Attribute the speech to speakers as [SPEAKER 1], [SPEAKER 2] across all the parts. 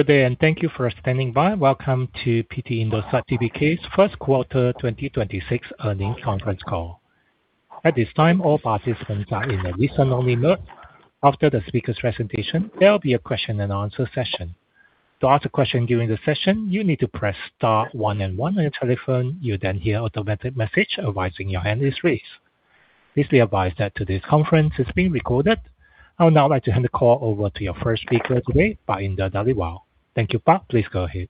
[SPEAKER 1] Good day. Thank you for standing by. Welcome to PT Indosat Tbk's First Quarter 2026 Earnings Conference Call. At this time, all participants are in a listen-only mode. After the speaker's presentation, there'll be a question and answer session. To ask a question during the session, you need to press star one and one on your telephone. You'll hear automatic message advising your hand is raised. Please be advised that today's conference is being recorded. I would now like to hand the call over to your first speaker today, Pak Indar Dhaliwal. Thank you, Pak. Please go ahead.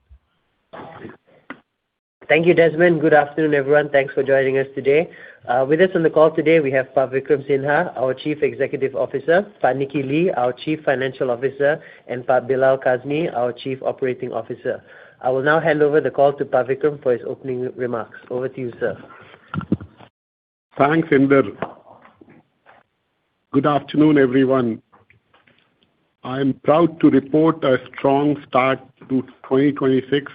[SPEAKER 2] Thank you, Desmond. Good afternoon, everyone. Thanks for joining us today. With us on the call today, we have Pak Vikram Sinha, our Chief Executive Officer, Pak Nicky Lee, our Chief Financial Officer, and Pak Bilal Kazmi, our Chief Operating Officer. I will now hand over the call to Pak Vikram for his opening remarks. Over to you, sir.
[SPEAKER 3] Thanks, Indar. Good afternoon, everyone. I am proud to report a strong start to 2026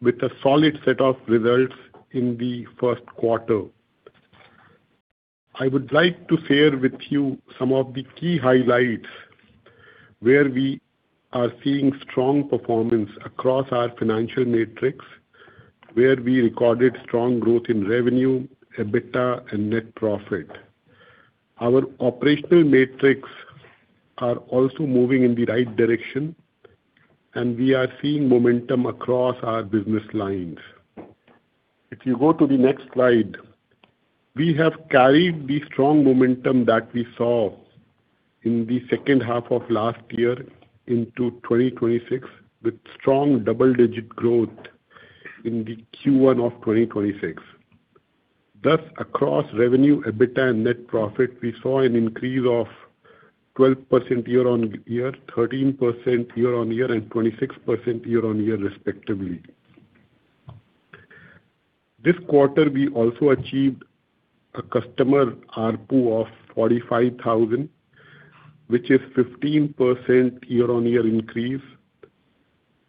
[SPEAKER 3] with a solid set of results in the first quarter. I would like to share with you some of the key highlights where we are seeing strong performance across our financial metrics, where we recorded strong growth in revenue, EBITDA, and net profit. Our operational metrics are also moving in the right direction, and we are seeing momentum across our business lines. If you go to the next slide, we have carried the strong momentum that we saw in the second half of last year into 2026, with strong double-digit growth in the Q1 of 2026. Across revenue, EBITDA, and net profit, we saw an increase of 12% year-over-year, 13% year-over-year, and 26% year-over-year respectively. This quarter, we also achieved a customer ARPU of 45,000, which is 15% year-on-year increase,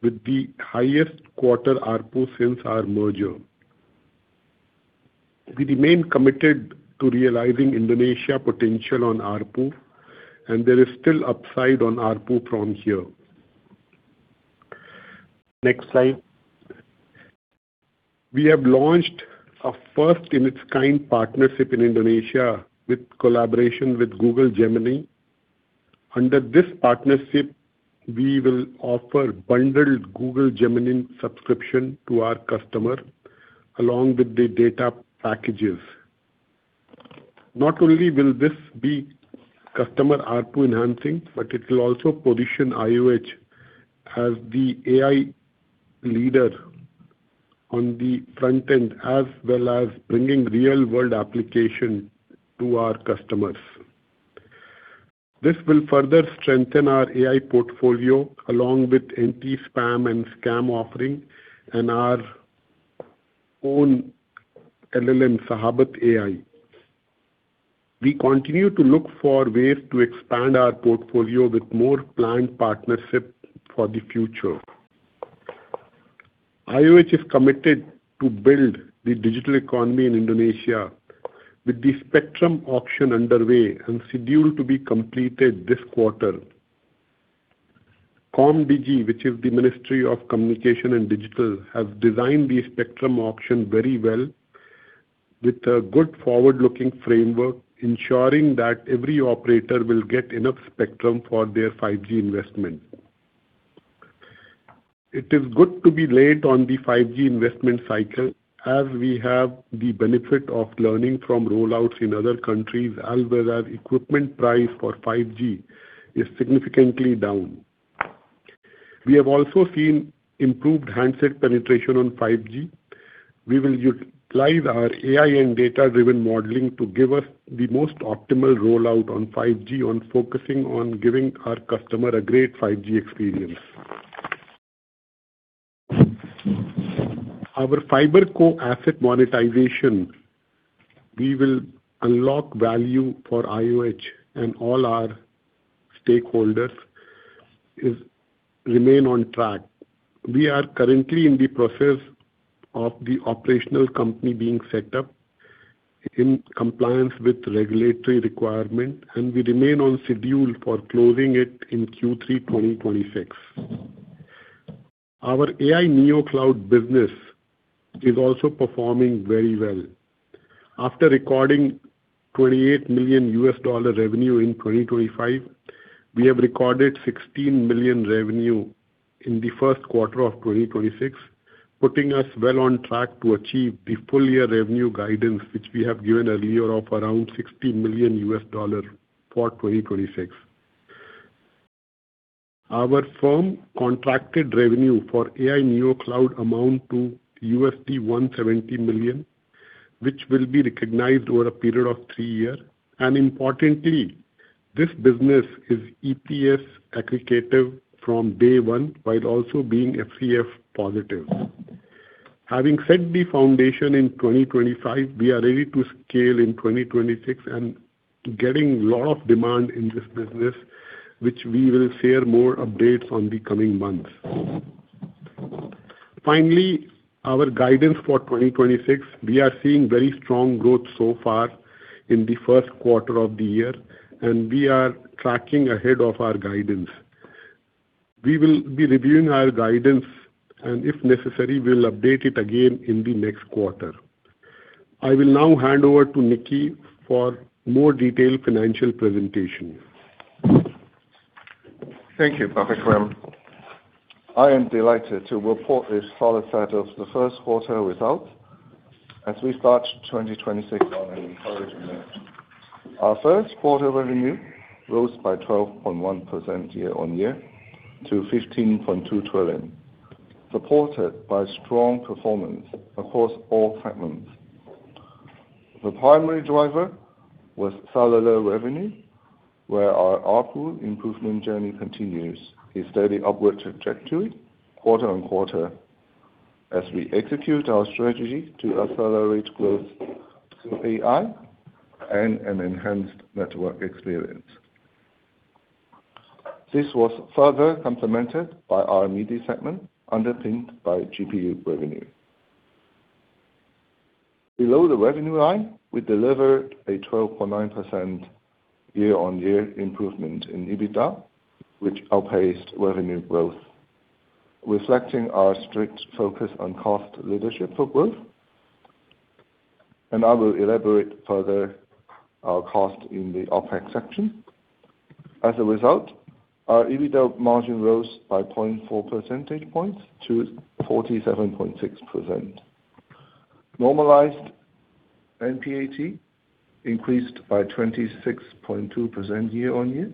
[SPEAKER 3] with the highest quarter ARPU since our merger. We remain committed to realizing Indonesia potential on ARPU, and there is still upside on ARPU from here. Next slide. We have launched a first-in-its-kind partnership in Indonesia with collaboration with Google Gemini. Under this partnership, we will offer bundled Google Gemini subscription to our customer along with the data packages. Not only will this be customer ARPU enhancing, but it will also position IOH as the AI leader on the front end, as well as bringing real-world application to our customers. This will further strengthen our AI portfolio along with Anti-Spam and Anti-Scam offering and our own LLM Sahabat-AI. We continue to look for ways to expand our portfolio with more planned partnership for the future. IOH is committed to build the digital economy in Indonesia with the spectrum auction underway and scheduled to be completed this quarter. Komdigi, which is the Ministry of Communication and Digital, have designed the spectrum auction very well with a good forward-looking framework, ensuring that every operator will get enough spectrum for their 5G investment. It is good to be late on the 5G investment cycle, as we have the benefit of learning from rollouts in other countries, as well as equipment price for 5G is significantly down. We have also seen improved handset penetration on 5G. We will utilize our AI and data-driven modeling to give us the most optimal rollout on 5G on focusing on giving our customer a great 5G experience. Our fiber co-asset monetization, we will unlock value for IOH and all our stakeholders, is remain on track. We are currently in the process of the operational company being set up in compliance with regulatory requirement, and we remain on schedule for closing it in Q3 2026. Our AI Neo Cloud business is also performing very well. After recording $28 million revenue in 2025, we have recorded $16 million revenue in the first quarter of 2026, putting us well on track to achieve the full year revenue guidance, which we have given earlier of around $60 million for 2026. Our firm contracted revenue for AI Neo Cloud amount to $170 million, which will be recognized over a period of 3 year. Importantly, this business is EPS accretive from day one, while also being FCF positive. Having set the foundation in 2025, we are ready to scale in 2026 and getting lot of demand in this business, which we will share more updates on the coming months. Finally, our guidance for 2026. We are seeing very strong growth so far in the first quarter of the year, and we are tracking ahead of our guidance. We will be reviewing our guidance, and if necessary, we'll update it again in the next quarter. I will now hand over to Nicky for more detailed financial presentation.
[SPEAKER 4] Thank you, Pak Vikram. I am delighted to report a solid set of the first quarter results as we start 2026 on an encouraging note. Our first quarter revenue rose by 12.1% year-on-year to 15.2 trillion, supported by strong performance across all segments. The primary driver was cellular revenue, where our ARPU improvement journey continues a steady upward trajectory quarter-on-quarter as we execute our strategy to accelerate growth through AI and an enhanced network experience. This was further complemented by our media segment, underpinned by GPU revenue. Below the revenue line, we delivered a 12.9% year-on-year improvement in EBITDA, which outpaced revenue growth, reflecting our strict focus on cost leadership for growth. I will elaborate further our cost in the OpEx section. As a result, our EBITDA margin rose by 0.4 percentage points to 47.6%. Normalized NPAT increased by 26.2% year-on-year,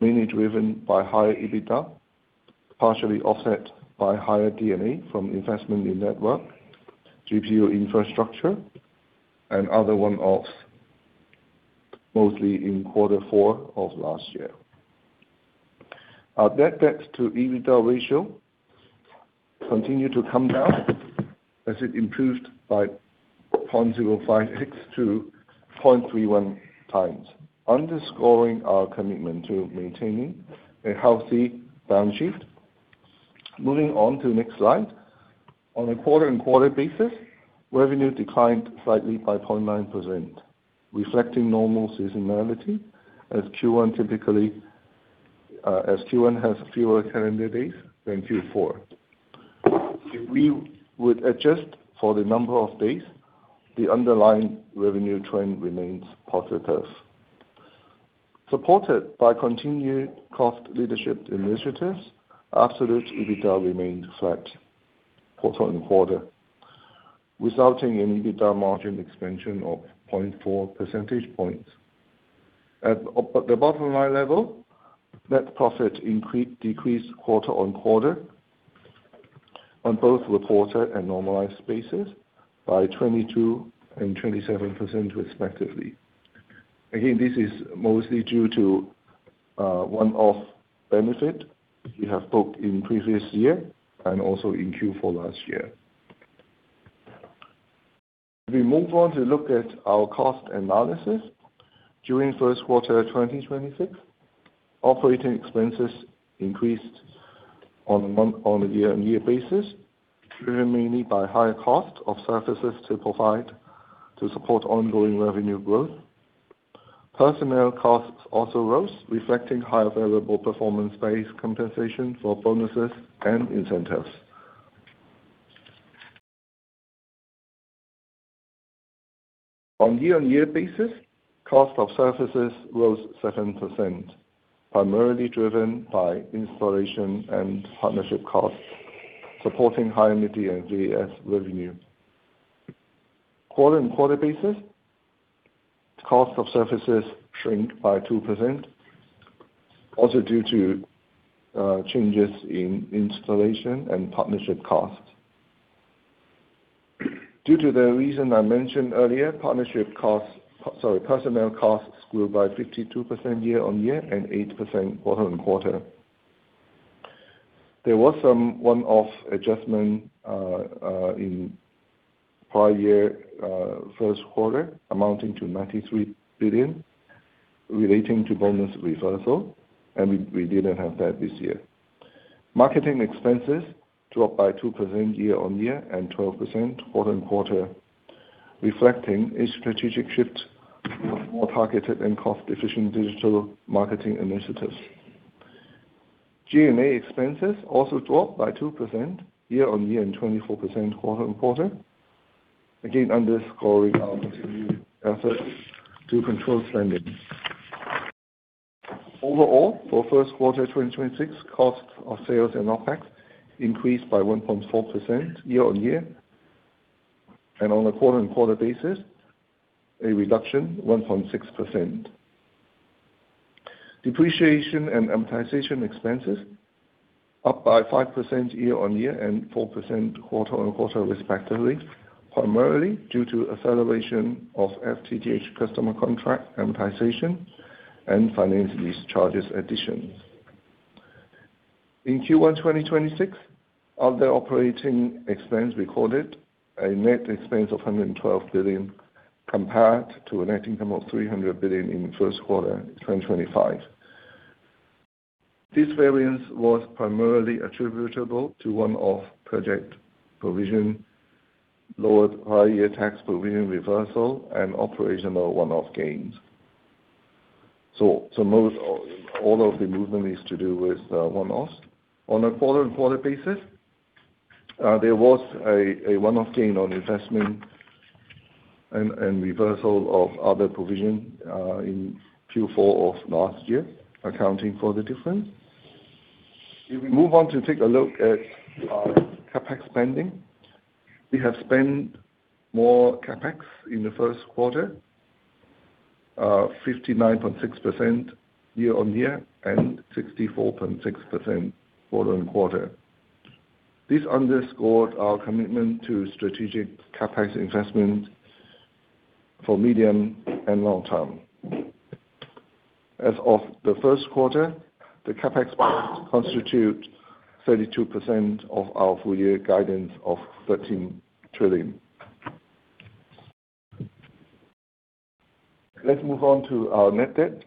[SPEAKER 4] mainly driven by higher EBITDA, partially offset by higher D&A from investment in network, GPU infrastructure, and other one-offs, mostly in quarter four of last year. Our net debt-to-EBITDA ratio continued to come down as it improved by 0.056 to 0.31x, underscoring our commitment to maintaining a healthy balance sheet. Moving on to the next slide. On a quarter-on-quarter basis, revenue declined slightly by 0.9%, reflecting normal seasonality as Q1 typically has fewer calendar days than Q4. If we would adjust for the number of days, the underlying revenue trend remains positive. Supported by continued cost leadership initiatives, absolute EBITDA remained flat quarter-on-quarter, resulting in EBITDA margin expansion of 0.4 percentage points. At the bottom line level, net profit decreased quarter-on-quarter on both reported and normalized basis by 22% and 27% respectively. Again, this is mostly due to one-off benefit we have booked in previous year and also in Q4 last year. We move on to look at our cost analysis. During first quarter 2026, operating expenses increased on a year-on-year basis, driven mainly by higher cost of services to provide to support ongoing revenue growth. Personnel costs also rose, reflecting higher variable performance-based compensation for bonuses and incentives. On year-on-year basis, cost of services rose 7%, primarily driven by installation and partnership costs supporting connectivity and DAS revenue. Quarter-on-quarter basis, cost of services shrank by 2%, also due to changes in installation and partnership costs. Due to the reason I mentioned earlier, partnership costs, personnel costs grew by 52% year-on-year and 8% quarter-on-quarter. There was some one-off adjustment in prior year first quarter amounting to 93 billion relating to bonus reversal, and we didn't have that this year. Marketing expenses dropped by 2% year-on-year and 12% quarter-on-quarter, reflecting a strategic shift of more targeted and cost-efficient digital marketing initiatives. G&A expenses also dropped by 2% year-on-year and 24% quarter-on-quarter, again underscoring our continued efforts to control spending. Overall, for first quarter 2026, cost of sales and OpEx increased by 1.4% year-on-year. On a quarter-on-quarter basis, a reduction 1.6%. Depreciation and amortization expenses up by 5% year-on-year and 4% quarter-on-quarter respectively, primarily due to acceleration of FTTH customer contract amortization and finance lease charges additions. In Q1 2026, other operating expense recorded a net expense of 112 billion compared to a net income of 300 billion in first quarter 2025. This variance was primarily attributable to one-off project provision, lower prior year tax provision reversal, and operational one-off gains. Most all of the movement is to do with one-offs. On a quarter-on-quarter basis, there was a one-off gain on investment and reversal of other provision in Q4 of last year, accounting for the difference. If we move on to take a look at our CapEx spending. We have spent more CapEx in the first quarter, 59.6% year-on-year and 64.6% quarter-on-quarter. This underscored our commitment to strategic CapEx investment for medium and long term. As of the first quarter, the CapEx constitute 32% of our full year guidance of 13 trillion. Let's move on to our net debt.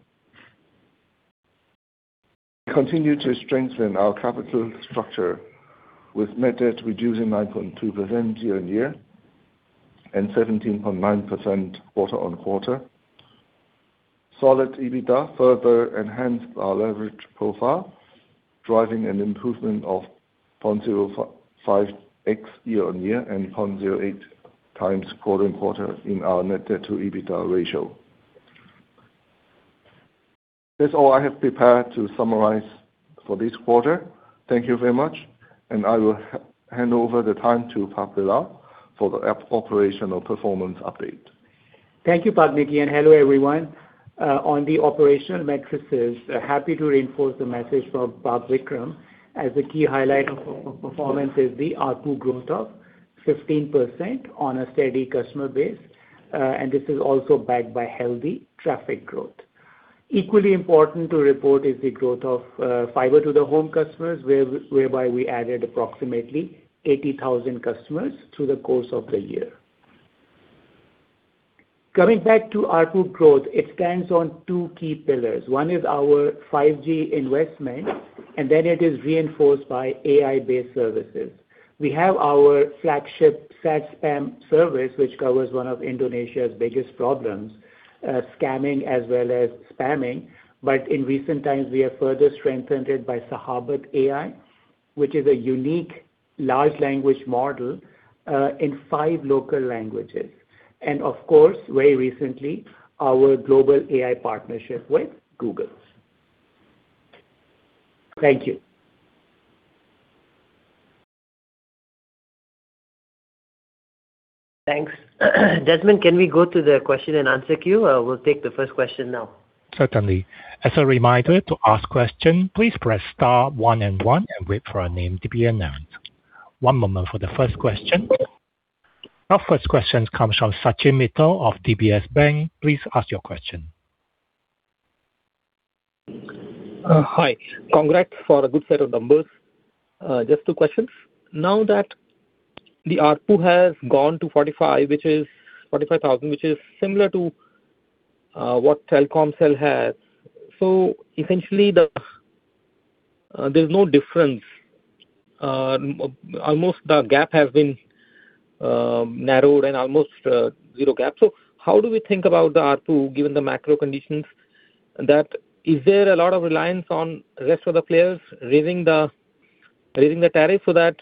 [SPEAKER 4] We continue to strengthen our capital structure with net debt reducing 9.2% year-on-year and 17.9% quarter-on-quarter. Solid EBITDA further enhanced our leverage profile, driving an improvement of 0.05x year-on-year and 0.08x quarter-on-quarter in our net debt to EBITDA ratio. That's all I have prepared to summarize for this quarter. Thank you very much. I will hand over the time to Pak Bilal for the operational performance update.
[SPEAKER 5] Thank you, Pak Nicky, and hello, everyone. On the operational matrices, happy to reinforce the message from Pak Vikram. As the key highlight of performance is the ARPU growth of 15% on a steady customer base. This is also backed by healthy traffic growth. Equally important to report is the growth of fiber to the home customers, whereby we added approximately 80,000 customers through the course of the year. Coming back to ARPU growth, it stands on two key pillars. One is our 5G investment, and then it is reinforced by AI-based services. We have our flagship [Anti-Spam and Anti-Scam] service, which covers one of Indonesia's biggest problems, scamming as well as spamming. In recent times, we have further strengthened it by Sahabat-AI, which is a unique large language model in five local languages. Of course, very recently, our global AI partnership with Google. Thank you.
[SPEAKER 2] Thanks. Desmond, can we go to the question and answer queue? We'll take the first question now.
[SPEAKER 1] Certainly. As a reminder, to ask question, please press star one and one and wait for your name to be announced. One moment for the first question. Our first question comes from Sachin Mittal of DBS Bank. Please ask your question.
[SPEAKER 6] Hi. Congrats for a good set of numbers. Just two questions. Now that the ARPU has gone to 45, which is 45,000, which is similar to what Telkomsel has. Essentially the there's no difference. Almost the gap has been narrowed and almost zero gap. How do we think about the ARPU given the macro conditions that. Is there a lot of reliance on rest of the players raising the, raising the tariff so that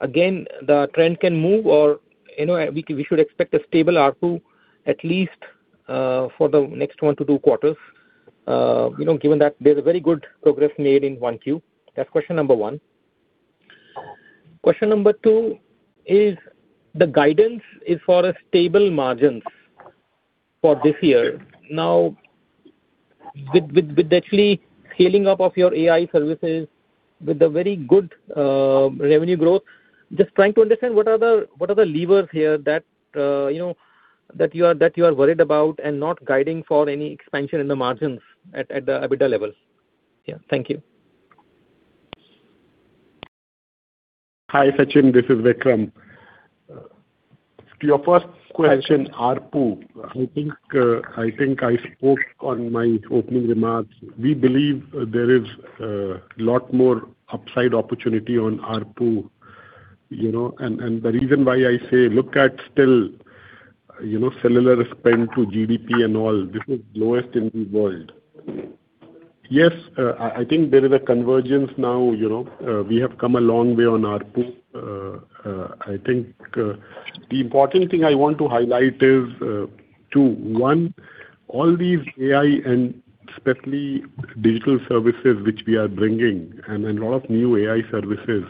[SPEAKER 6] again, the trend can move or, you know, we should expect a stable ARPU at least for the next one to two quarters? You know, given that there's a very good progress made in 1Q. That's question number one. Question number two is, the guidance is for stable margins for this year. With actually scaling up of your AI services with a very good revenue growth, just trying to understand what are the levers here that, you know, that you are worried about and not guiding for any expansion in the margins at the EBITDA level? Yeah. Thank you.
[SPEAKER 3] Hi, Sachin, this is Vikram. To your first question, ARPU, I think I spoke on my opening remarks. We believe there is lot more upside opportunity on ARPU, you know. The reason why I say look at still, you know, cellular spend to GDP and all, this is lowest in the world. Yes, I think there is a convergence now, you know. We have come a long way on ARPU. I think the important thing I want to highlight is One, all these AI and especially digital services which we are bringing and a lot of new AI services,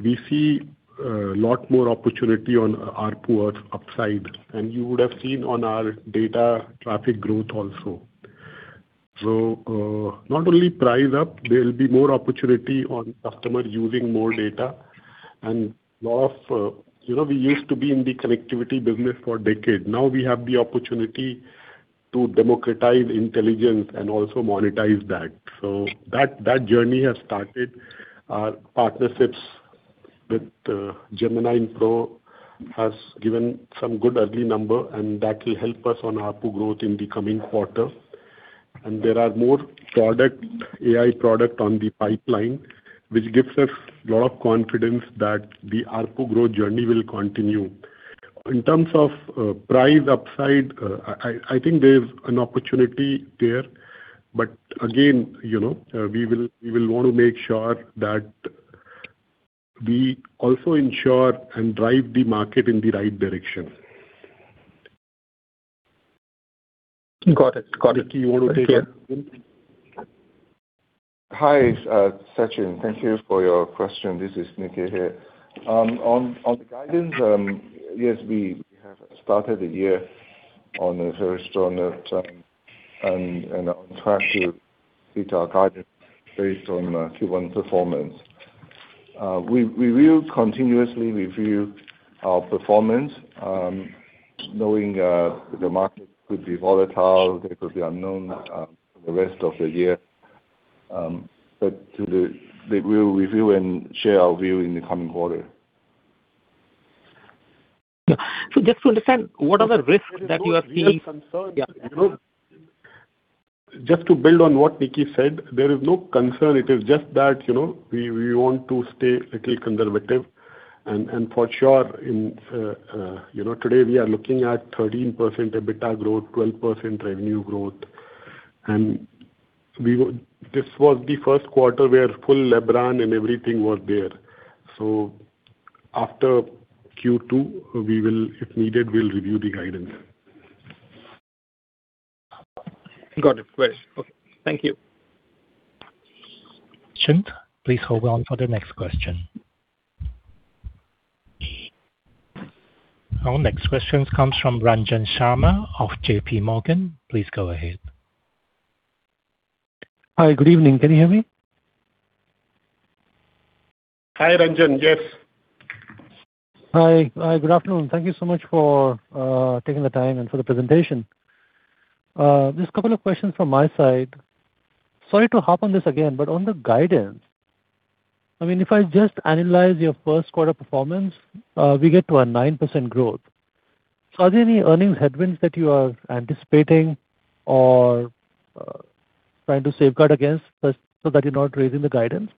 [SPEAKER 3] we see a lot more opportunity on ARPU upside, and you would have seen on our data traffic growth also. Not only price up, there'll be more opportunity on customers using more data and lot of. You know, we used to be in the connectivity business for decade. Now we have the opportunity to democratize intelligence and also monetize that. That journey has started. Our partnerships With Gemini Pro has given some good early number, and that will help us on ARPU growth in the coming quarter. There are more product, AI product on the pipeline, which gives us a lot of confidence that the ARPU growth journey will continue. In terms of price upside, I think there's an opportunity there. Again, you know, we will want to make sure that we also ensure and drive the market in the right direction.
[SPEAKER 6] Got it. Got it.
[SPEAKER 3] Nicky, you wanna take it?
[SPEAKER 4] Thank you. Hi, Sachin. Thank you for your question. This is Nicky here. On the guidance, yes, we have started the year on a very strong note, and on track to meet our guidance based on Q1 performance. We will continuously review our performance, knowing the market could be volatile, there could be unknown for the rest of the year. We will review and share our view in the coming quarter.
[SPEAKER 6] Just to understand, what are the risks that you are seeing.
[SPEAKER 3] There is no real concern.
[SPEAKER 6] Yeah.
[SPEAKER 3] You know, just to build on what Nicky said, there is no concern. It is just that, you know, we want to stay a little conservative. For sure in, you know, today we are looking at 13% EBITDA growth, 12% revenue growth. This was the first quarter where full Lebaran and everything was there. After Q2, we will, if needed, we'll review the guidance.
[SPEAKER 6] Got it. Great. Okay. Thank you.
[SPEAKER 1] Please hold on for the next question. Our next question comes from Ranjan Sharma of JPMorgan. Please go ahead.
[SPEAKER 7] Hi, good evening. Can you hear me?
[SPEAKER 3] Hi, Ranjan. Yes.
[SPEAKER 7] Hi. Hi, good afternoon. Thank you so much for taking the time and for the presentation. Just couple of questions from my side. Sorry to harp on this again, but on the guidance, I mean, if I just analyze your first quarter performance, we get to a 9% growth. Are there any earnings headwinds that you are anticipating or trying to safeguard against so that you're not raising the guidance?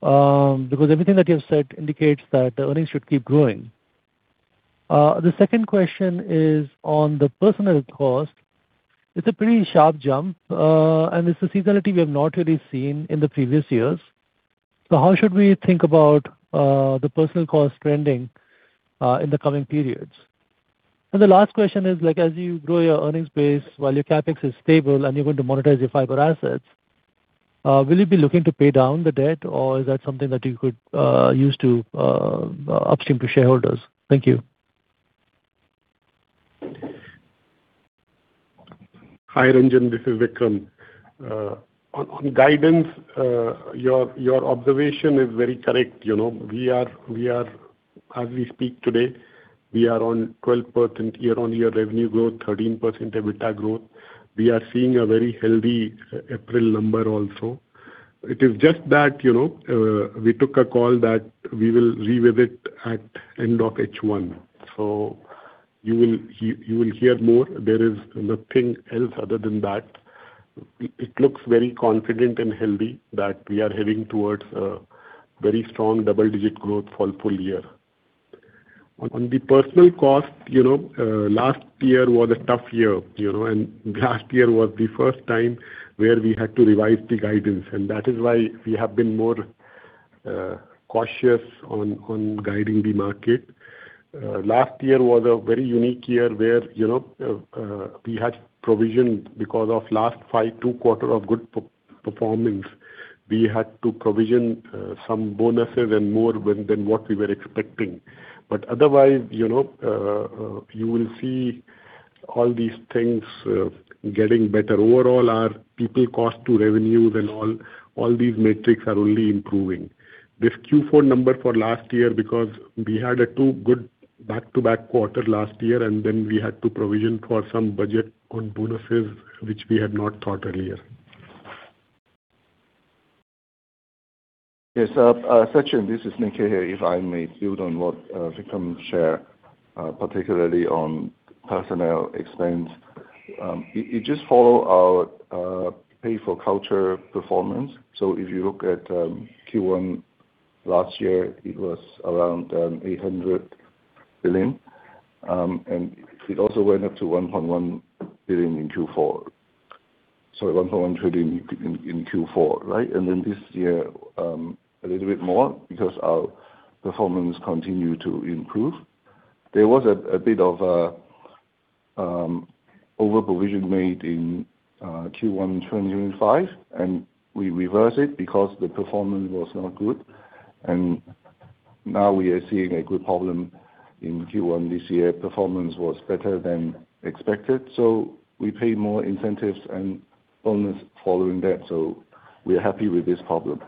[SPEAKER 7] Because everything that you have said indicates that the earnings should keep growing. The second question is on the personnel cost. It's a pretty sharp jump, and it's a seasonality we have not really seen in the previous years. How should we think about the personnel cost trending in the coming periods? The last question is, like, as you grow your earnings base while your CapEx is stable and you're going to monetize your fiber assets, will you be looking to pay down the debt, or is that something that you could use to upstream to shareholders? Thank you.
[SPEAKER 3] Hi, Ranjan. This is Vikram. On guidance, your observation is very correct. You know, we are, as we speak today, we are on 12% year-on-year revenue growth, 13% EBITDA growth. We are seeing a very healthy April number also. It is just that, you know, we took a call that we will revisit at end of H1. You will hear more. There is nothing else other than that. It looks very confident and healthy that we are heading towards a very strong double-digit growth for full year. On the personnel cost, you know, last year was a tough year, you know. Last year was the first time where we had to revise the guidance, and that is why we have been more cautious on guiding the market. Last year was a very unique year where, you know, we had provisioned because of last 5, 2 quarter of good performance. We had to provision some bonuses and more than what we were expecting. Otherwise, you know, you will see all these things getting better. Overall, our people cost to revenues and all these metrics are only improving. This Q4 number for last year because we had a two good back-to-back quarter last year, we had to provision for some budget on bonuses, which we had not thought earlier.
[SPEAKER 4] Yes. Sachin, this is Nicky here. If I may build on what Vikram shared, particularly on personnel expense. It just follow our pay for culture performance. If you look at Q1 last year, it was around 800 billion. It also went up to 1.1 billion in Q4. Sorry, 1.1 billion in Q4. This year, a little bit more because our performance continued to improve. There was a bit of over-provision made in Q1 2025, we reversed it because the performance was not good. Now we are seeing a good problem in Q1 this year. Performance was better than expected, we pay more incentives and bonus following that. We are happy with this problem.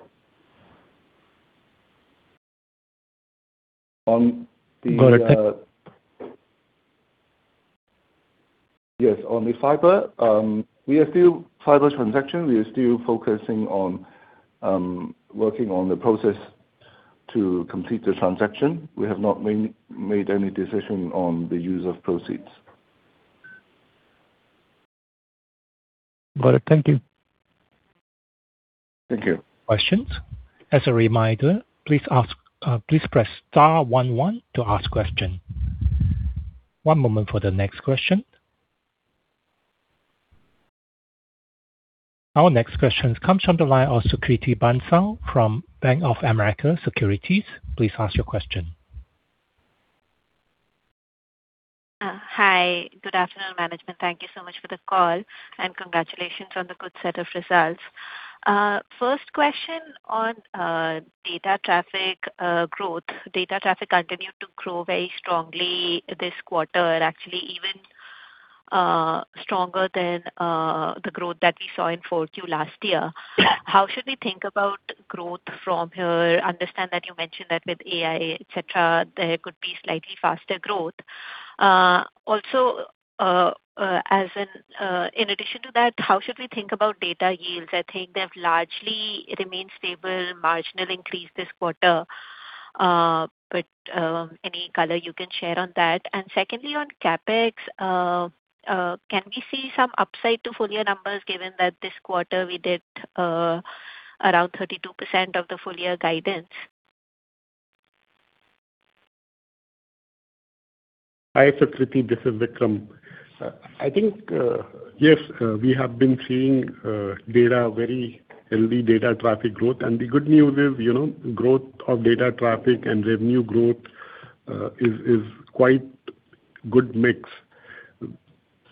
[SPEAKER 4] Yes. On the fiber, we are still focusing on working on the process to complete the transaction. We have not made any decision on the use of proceeds.
[SPEAKER 7] Got it. Thank you.
[SPEAKER 4] Thank you.
[SPEAKER 1] Questions. As a reminder, please ask, please press star one one to ask question. One moment for the next question. Our next question comes from the line of Sukriti Bansal from Bank of America Securities. Please ask your question.
[SPEAKER 8] Hi. Good afternoon, management. Thank you so much for the call, congratulations on the good set of results. First question on data traffic growth. Data traffic continued to grow very strongly this quarter, actually even stronger than the growth that we saw in 4Q last year. How should we think about growth from here? Understand that you mentioned that with AI, et cetera, there could be slightly faster growth. As in addition to that, how should we think about data yields? I think they've largely remained stable, marginal increase this quarter. Any color you can share on that? Secondly, on CapEx, can we see some upside to full year numbers given that this quarter we did around 32% of the full year guidance?
[SPEAKER 3] Hi, Sukriti, this is Vikram. I think, yes, we have been seeing data very healthy data traffic growth. The good news is, you know, growth of data traffic and revenue growth is quite good mix.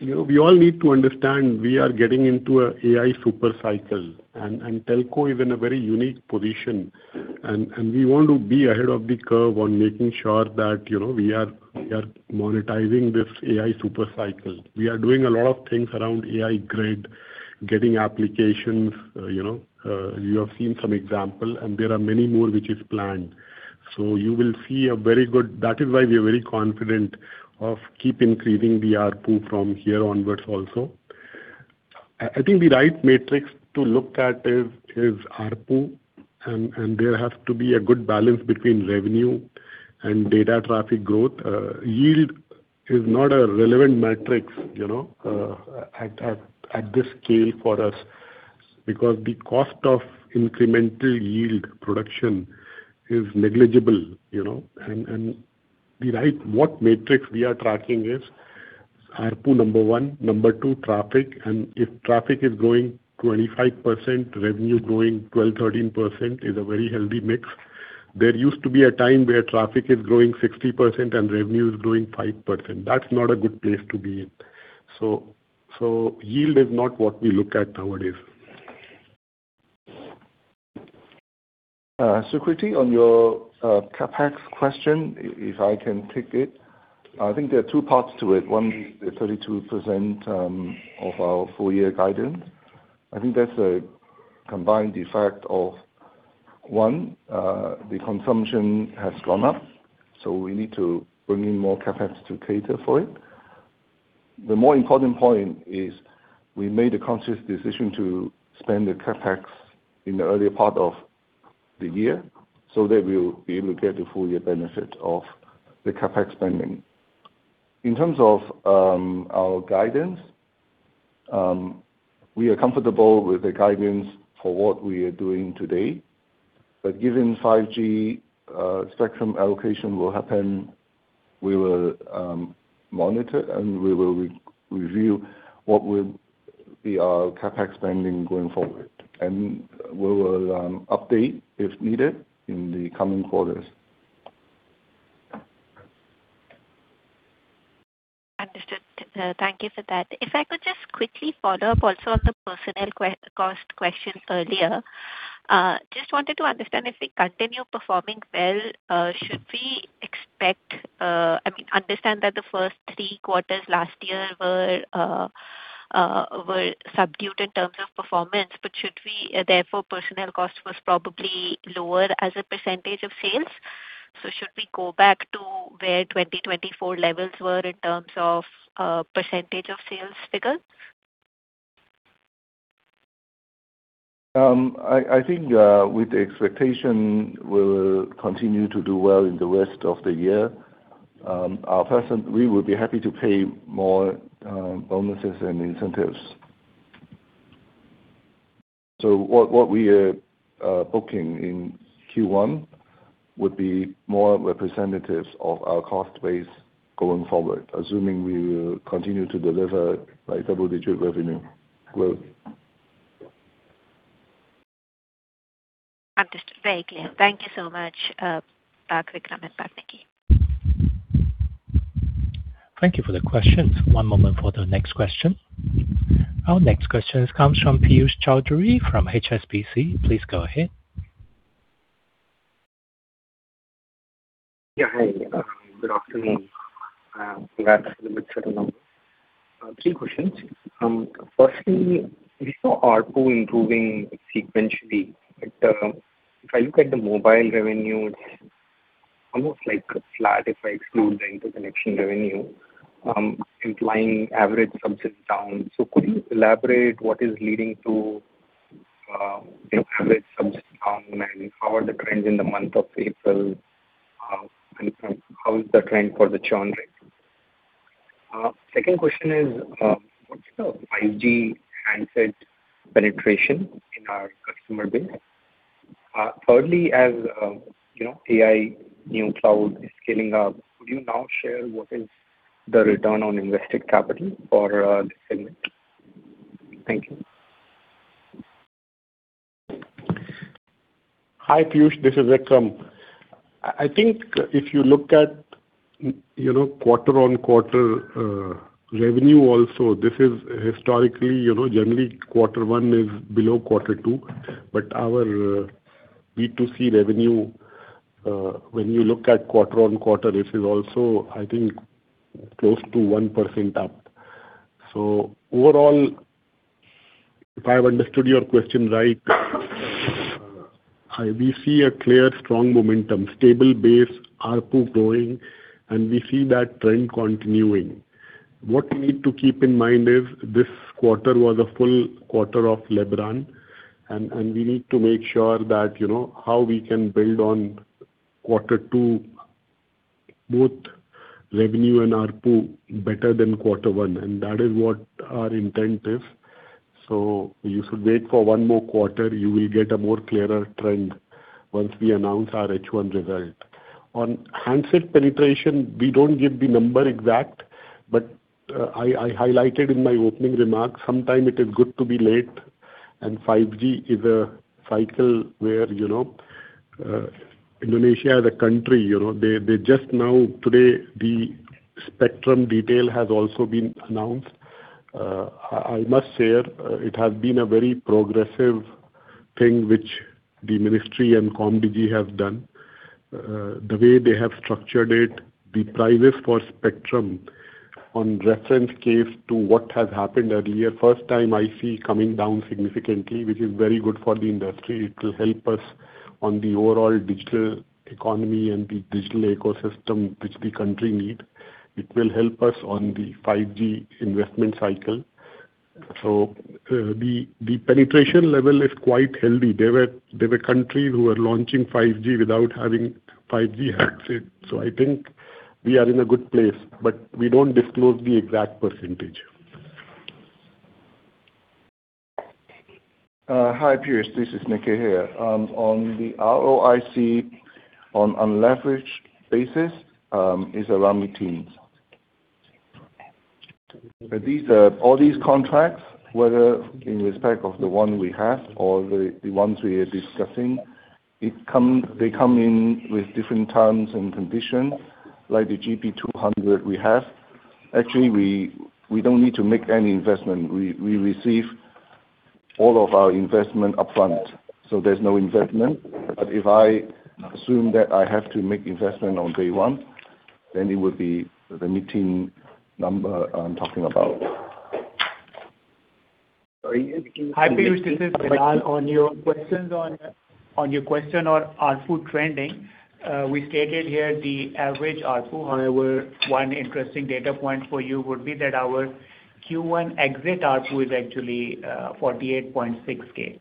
[SPEAKER 3] You know, we all need to understand we are getting into a AI super cycle and telco is in a very unique position. We want to be ahead of the curve on making sure that, you know, we are monetizing this AI super cycle. We are doing a lot of things around AI grid, getting applications, you know. You have seen some example, there are many more which is planned. That is why we are very confident of keep increasing the ARPU from here onwards also. I think the right metric to look at is ARPU and there has to be a good balance between revenue and data traffic growth. Yield is not a relevant metric, you know, at this scale for us because the cost of incremental yield production is negligible, you know. The right metric we are tracking is ARPU, number one. Number two, traffic. If traffic is growing 25%, revenue growing 12%, 13% is a very healthy mix. There used to be a time where traffic is growing 60% and revenue is growing 5%. That's not a good place to be in. Yield is not what we look at nowadays.
[SPEAKER 4] Sukriti, on your CapEx question, if I can take it. I think there are two parts to it. One, the 32% of our full year guidance. I think that's a combined effect of, one, the consumption has gone up, so we need to bring in more CapEx to cater for it. The more important point is we made a conscious decision to spend the CapEx in the earlier part of the year, so that we will be able to get the full year benefit of the CapEx spending. In terms of our guidance, we are comfortable with the guidance for what we are doing today. Given 5G spectrum allocation will happen, we will monitor and we will re-review what will be our CapEx spending going forward. We will update if needed in the coming quarters.
[SPEAKER 8] Understood. Thank you for that. If I could just quickly follow up also on the personnel cost questions earlier. Just wanted to understand if we continue performing well, should we expect? I mean, understand that the first three quarters last year were subdued in terms of performance. Should we, therefore, personnel cost was probably lower as a percentage of sales? Should we go back to where 2024 levels were in terms of percentage of sales figure?
[SPEAKER 4] I think, with the expectation we'll continue to do well in the rest of the year, we will be happy to pay more, bonuses and incentives. What we are, booking in Q1 would be more representative of our cost base going forward, assuming we will continue to deliver a double-digit revenue growth.
[SPEAKER 8] Understood. Very clear. Thank you so much, Pak Vikram and Pak Nicky.
[SPEAKER 1] Thank you for the questions. One moment for the next question. Our next question comes from Piyush Choudhary from HSBC. Please go ahead.
[SPEAKER 9] Yeah. Hi. Good afternoon. Congrats on the good set of numbers. Three questions. Firstly, we saw ARPU improving sequentially. If I look at the mobile revenue, almost like a flat if I exclude the interconnection revenue, implying average subs is down. Could you elaborate what is leading to, you know, average subs down, and how are the trends in the month of April, and how is the trend for the churn rate? Second question is, what's the 5G handset penetration in our customer base? Thirdly, as, you know, AI, you know, cloud is scaling up, could you now share what is the return on invested capital for this segment? Thank you.
[SPEAKER 3] Hi, Piyush, this is Vikram. I think if you look at, you know, quarter-on-quarter revenue also, this is historically, you know, generally quarter 1 is below quarter 2. Our B2C revenue, when you look at quarter-on-quarter, this is also, I think, close to 1% up. Overall, if I've understood your question right, we see a clear strong momentum, stable base, ARPU growing, and we see that trend continuing. What we need to keep in mind is this quarter was a full quarter of Lebaran. We need to make sure that, you know, how we can build on quarter 2, both revenue and ARPU better than quarter 1, that is what our intent is. You should wait for one more quarter. You will get a more clearer trend once we announce our H1 result. On handset penetration, we don't give the number exact, but I highlighted in my opening remarks, sometimes it is good to be late. 5G is a cycle where, you know, Indonesia as a country, you know, they just now today, the spectrum detail has also been announced. I must say it has been a very progressive thing which the ministry and Komdigi have done. The way they have structured it, the prices for spectrum on reference case to what has happened earlier, first time I see coming down significantly, which is very good for the industry. It will help us on the overall digital economy and the digital ecosystem which the country needs. It will help us on the 5G investment cycle. The penetration level is quite healthy. There were countries who were launching 5G without having 5G handset. I think we are in a good place. We don't disclose the exact percentage.
[SPEAKER 4] Hi, Piyush, this is Nicky here. On the ROIC on unleveraged basis, it's around mid-teens. These, all these contracts, whether in respect of the one we have or the ones we are discussing, they come in with different terms and conditions. Like the GB200 we have, actually, we don't need to make any investment. We receive all of our investment upfront, there's no investment. If I assume that I have to make investment on day one, it would be the mid-teen number I'm talking about.
[SPEAKER 9] Sorry, if you.
[SPEAKER 5] Hi, Piyush, this is Bilal. On your question on ARPU trending, we stated here the average ARPU. One interesting data point for you would be that our Q1 exit ARPU is actually 48,600.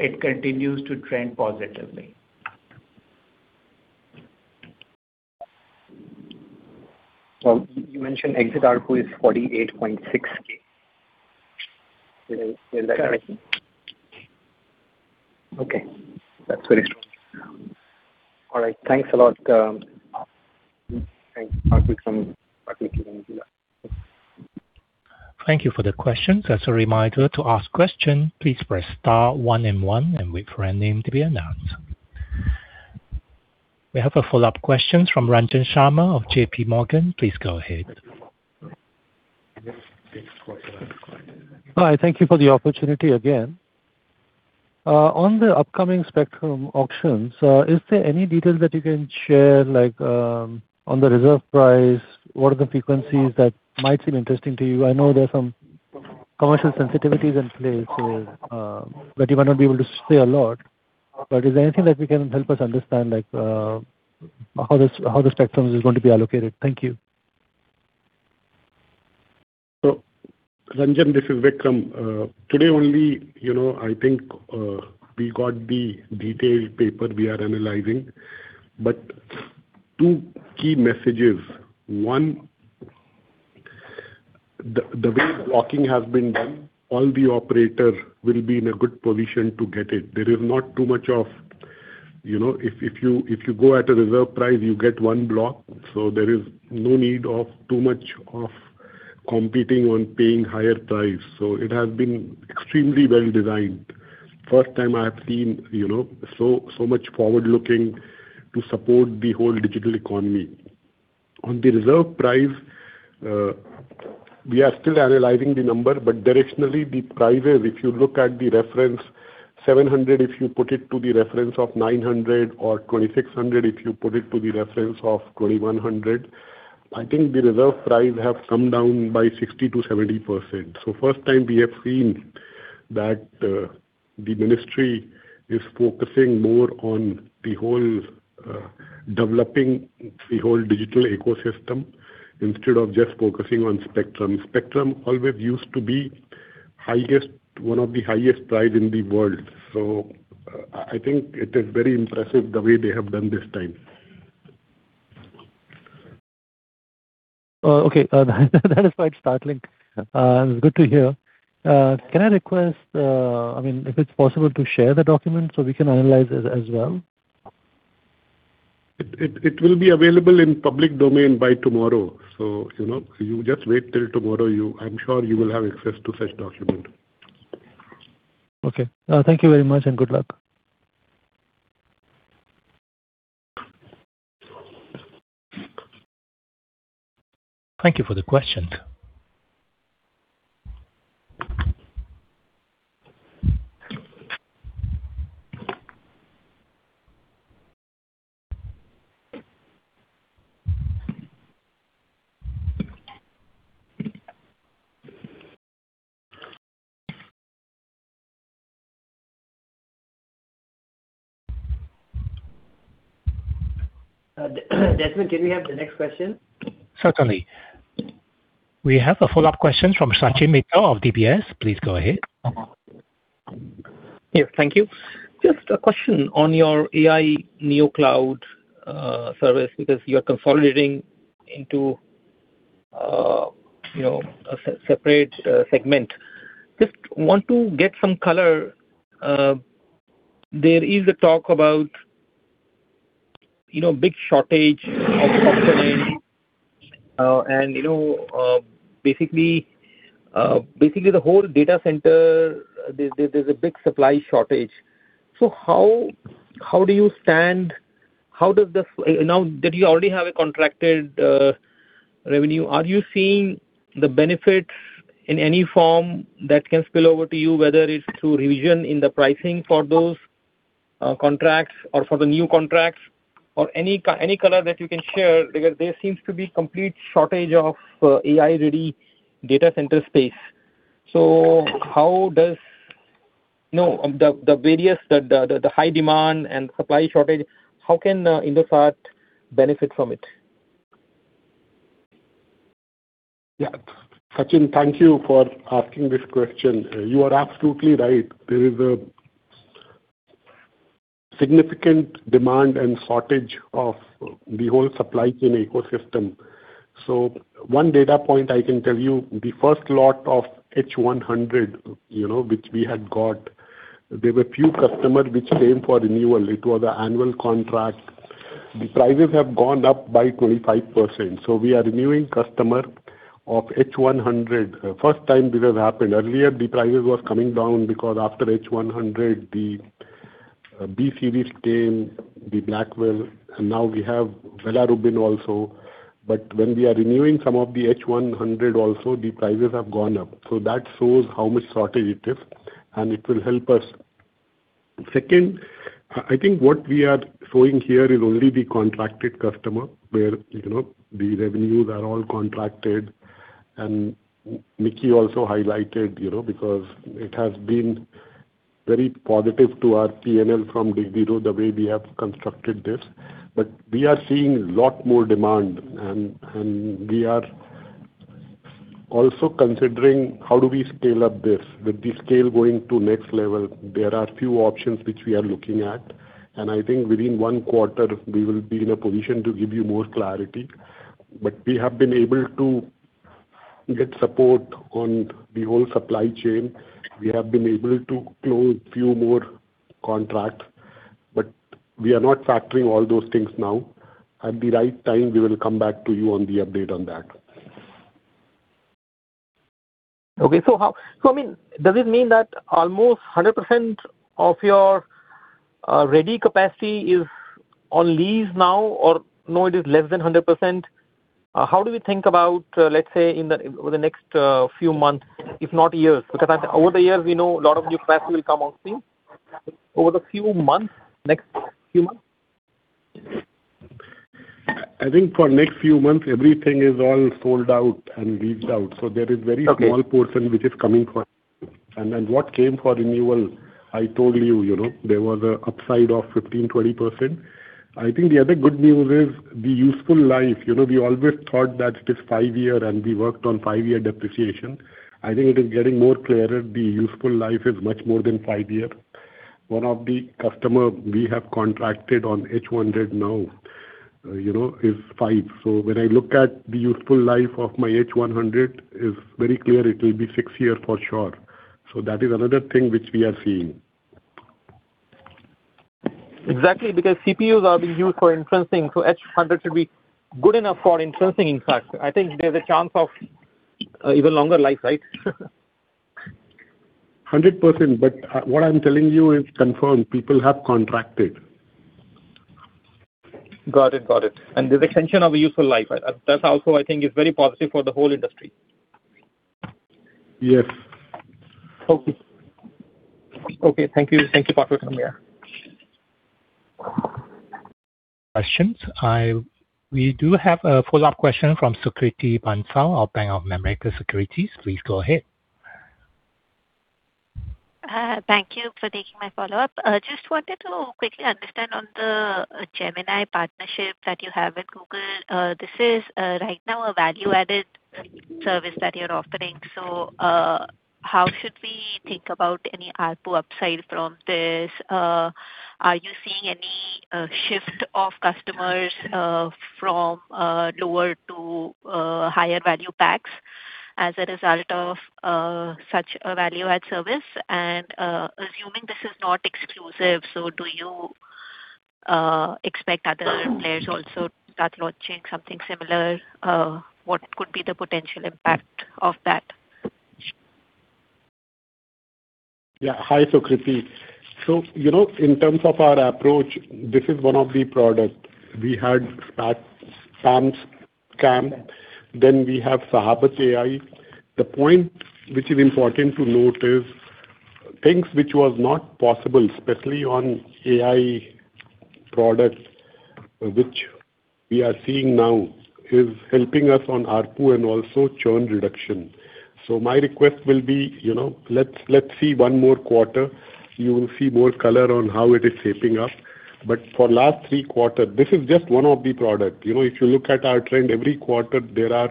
[SPEAKER 5] It continues to trend positively.
[SPEAKER 9] You mentioned exit ARPU is 48,600. Is that right?
[SPEAKER 5] Correct.
[SPEAKER 9] Okay. That's very strong. All right. Thanks a lot, thank you, Vikram.
[SPEAKER 1] Thank you for the questions. As a reminder, to ask question, please press star one and one and wait for your name to be announced. We have a follow-up question from Ranjan Sharma of JPMorgan. Please go ahead.
[SPEAKER 7] Hi, thank you for the opportunity again. On the upcoming spectrum auctions, is there any detail that you can share like on the reserve price? What are the frequencies that might seem interesting to you? I know there are some commercial sensitivities in play that you might not be able to say a lot. Is there anything that you can help us understand, like how the spectrums is going to be allocated? Thank you.
[SPEAKER 3] Ranjan, this is Vikram. Today only, you know, I think, we got the detailed paper we are analyzing. Two key messages. One, the way blocking has been done, all the operator will be in a good position to get it. You know, if you go at a reserve price, you get one block. There is no need of too much of competing on paying higher price. It has been extremely well designed. First time I have seen, you know, so much forward-looking to support the whole digital economy. On the reserve price, we are still analyzing the number, but directionally the prices, if you look at the reference 700, if you put it to the reference of 900 or 2,600, if you put it to the reference of 2,100, I think the reserve price have come down by 60%-70%. First time we have seen that the ministry is focusing more on the whole developing the whole digital ecosystem instead of just focusing on spectrum. Spectrum always used to be highest, one of the highest price in the world. I think it is very impressive the way they have done this time.
[SPEAKER 7] Okay. That is quite startling. It's good to hear. Can I request, I mean, if it's possible to share the document so we can analyze it as well?
[SPEAKER 3] It will be available in public domain by tomorrow. You know, you just wait till tomorrow. I'm sure you will have access to such document.
[SPEAKER 7] Okay. Thank you very much, and good luck.
[SPEAKER 1] Thank you for the question.
[SPEAKER 2] Desmond, can we have the next question?
[SPEAKER 1] Certainly. We have a follow-up question from Sachin Mittal of DBS. Please go ahead.
[SPEAKER 6] Thank you. Just a question on your AI Neo Cloud service, because you are consolidating into a separate segment. Just want to get some color. There is a talk about big shortage of software. Basically the whole data center, there's a big supply shortage. How do you stand? Now that you already have a contracted revenue, are you seeing the benefits in any form that can spill over to you, whether it's through revision in the pricing for those contracts or for the new contracts or any color that you can share? There seems to be complete shortage of AI-ready data center space. You know, the various, the high demand and supply shortage, how can Indosat benefit from it?
[SPEAKER 3] Yeah. Sachin, thank you for asking this question. You are absolutely right. There is a significant demand and shortage of the whole supply chain ecosystem. One data point I can tell you, the first lot of H100, you know, which we had got, there were few customers which came for renewal. It was an annual contract. The prices have gone up by 25%, we are renewing customer of H100. First time this has happened. Earlier the prices was coming down because after H100, the B-series came, the Blackwell, and now we have Vera also. When we are renewing some of the H100 also, the prices have gone up. That shows how much shortage it is, and it will help us. I think what we are showing here is only the contracted customer where, you know, the revenues are all contracted. Nicky also highlighted, you know, because it has been very positive to our P&L from day zero, the way we have constructed this. We are seeing lot more demand and we are also considering how do we scale up this. With the scale going to next level, there are few options which we are looking at. I think within one quarter we will be in a position to give you more clarity. We have been able to get support on the whole supply chain. We have been able to close few more contract. We are not factoring all those things now. At the right time, we will come back to you on the update on that.
[SPEAKER 6] I mean, does it mean that almost 100% of your ready capacity is on lease now or no, it is less than 100%? How do we think about, let's say in the, over the next few months, if not years? Over the years we know a lot of new capacity will come on stream. Over the few months, next few months?
[SPEAKER 3] I think for next few months everything is all sold out and leased out.
[SPEAKER 6] Okay.
[SPEAKER 3] -small portion which is coming for us. What came for renewal, I told you know, there was a upside of 15%-20%. I think the other good news is the useful life. You know, we always thought that it is 5 year and we worked on 5-year depreciation. I think it is getting more clearer. The useful life is much more than 5 year. One of the customer we have contracted on H100 now, you know, is 5. When I look at the useful life of my H100 is very clear it will be 6 year for sure. That is another thing which we are seeing.
[SPEAKER 6] Exactly, because CPUs are being used for inferencing, H100 should be good enough for inferencing. In fact, I think there's a chance of even longer life, right?
[SPEAKER 3] 100%, but what I'm telling you is confirmed. People have contracted.
[SPEAKER 6] Got it. Got it. There's extension of a useful life. That's also I think is very positive for the whole industry.
[SPEAKER 3] Yes.
[SPEAKER 6] Okay. Okay. Thank you. Thank you, Pak Vikram Sinha.
[SPEAKER 1] Questions. We do have a follow-up question from Sukriti Bansal of Bank of America Securities. Please go ahead.
[SPEAKER 8] Thank you for taking my follow-up. Just wanted to quickly understand on the Gemini partnership that you have with Google. This is right now a value-added service that you're offering. How should we think about any ARPU upside from this? Are you seeing any shift of customers from lower to higher value packs as a result of such a value-add service? Assuming this is not exclusive, do you expect other players also start launching something similar? What could be the potential impact of that?
[SPEAKER 3] Yeah. Hi, Sukriti. So, you know, in terms of our approach, this is one of the product. We had start Anti-Spam and Anti-Scam, then we have Sahabat-AI. The point which is important to note is things which was not possible, especially on AI products which we are seeing now, is helping us on ARPU and also churn reduction. So my request will be, you know, let's see one more quarter. You will see more color on how it is shaping up. But for last three quarter, this is just one of the product. You know, if you look at our trend every quarter, there are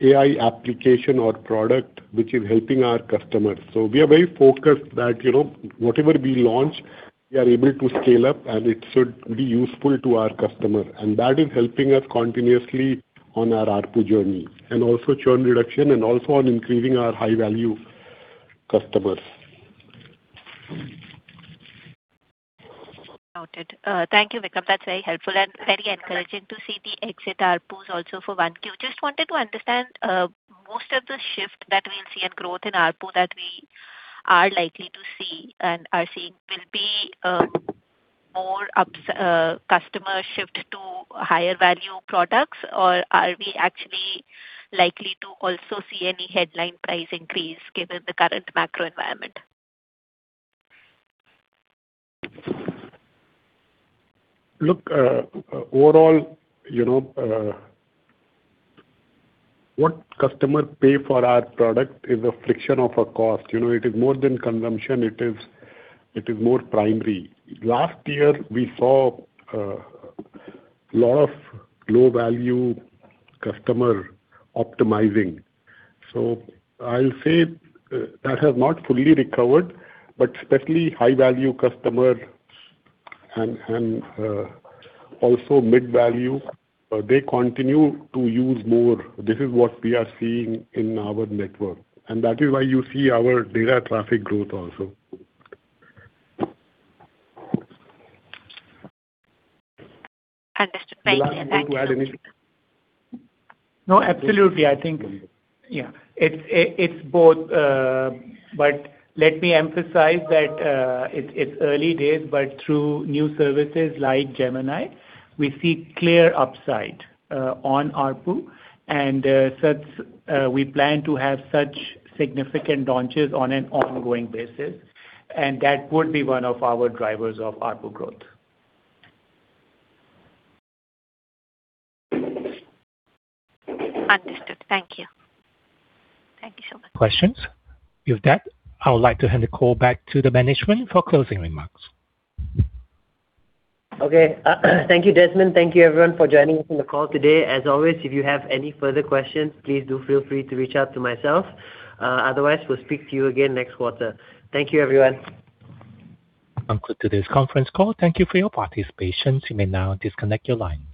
[SPEAKER 3] AI application or product which is helping our customers. So we are very focused that, you know, whatever we launch, we are able to scale up, and it should be useful to our customer. That is helping us continuously on our ARPU journey and also churn reduction and also on increasing our high-value customers.
[SPEAKER 8] Noted. Thank you, Vikram. That's very helpful and very encouraging to see the exit ARPUs also for 1Q. Just wanted to understand, most of the shift that we'll see in growth in ARPU that we are likely to see and are seeing will be, more customer shift to higher value products? Or are we actually likely to also see any headline price increase given the current macro environment?
[SPEAKER 3] Look, overall, you know, what customer pay for our product is a fraction of a cost. You know, it is more than consumption. It is more primary. Last year, we saw lot of low-value customer optimizing. I'll say that has not fully recovered, but especially high-value customer and also mid-value, they continue to use more. This is what we are seeing in our network. That is why you see our data traffic growth also.
[SPEAKER 8] Understood. Thank you.
[SPEAKER 3] Bilal, do you want to add anything?
[SPEAKER 5] No, absolutely. I think. It's both. Let me emphasize that it's early days, but through new services like Gemini, we see clear upside on ARPU. Such, we plan to have such significant launches on an ongoing basis, and that would be one of our drivers of ARPU growth.
[SPEAKER 8] Understood. Thank you. Thank you so much.
[SPEAKER 1] Questions? With that, I would like to hand the call back to the management for closing remarks.
[SPEAKER 2] Okay. Thank you, Desmond. Thank you everyone for joining us on the call today. As always, if you have any further questions, please do feel free to reach out to myself. Otherwise, we'll speak to you again next quarter. Thank you, everyone.
[SPEAKER 1] I conclude today's conference call. Thank you for your participation. You may now disconnect your line.